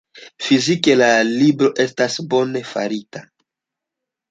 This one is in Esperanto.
Fizike, la libro estas bone farita.